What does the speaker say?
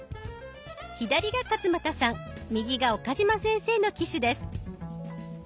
左が勝俣さん右が岡嶋先生の機種です。